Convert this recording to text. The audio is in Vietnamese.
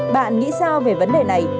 bạn nghĩ sao về vấn đề này